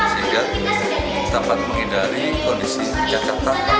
sehingga dapat menghindari kondisi jakarta